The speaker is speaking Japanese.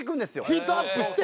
ヒートアップして？